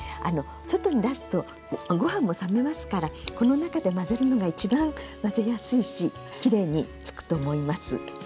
外に出すとご飯も冷めますからこの中で混ぜるのが一番混ぜやすいしきれいにつくと思います。